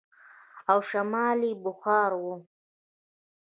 او شمال يې بخارا و.